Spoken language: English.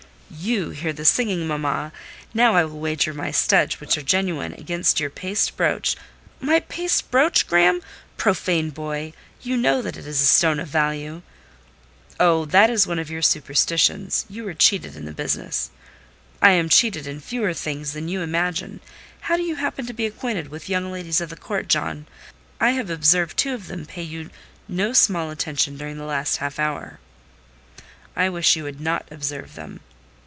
"You hear the singing, mamma! Now, I will wager my studs, which are genuine, against your paste brooch—" "My paste brooch, Graham? Profane boy! you know that it is a stone of value." "Oh! that is one of your superstitions: you were cheated in the business." "I am cheated in fewer things than you imagine. How do you happen to be acquainted with young ladies of the court, John? I have observed two of them pay you no small attention during the last half hour." "I wish you would not observe them."